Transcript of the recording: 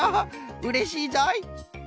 うれしいぞい！